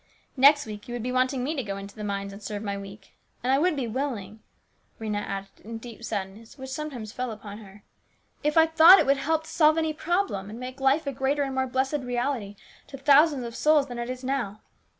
" Next you would be wanting me to go into the mines and serve my week. And I would be willing," Rhena added in a deep sadness, which sometimes fell upon her, " if I thought it would help to solve any problem, and make life a greater and more blessed reality to thousands of souls than it is now.